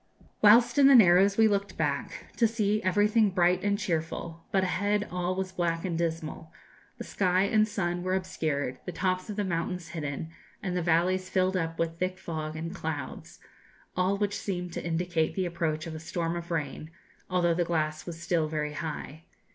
Whilst in the Narrows we looked back, to see everything bright and cheerful, but ahead all was black and dismal: the sky and sun were obscured, the tops of the mountains hidden, and the valleys filled up with thick fog and clouds all which seemed to indicate the approach of a storm of rain, although the glass was still very high.